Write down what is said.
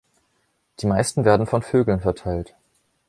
Die meisten werden von Vögeln verteilt.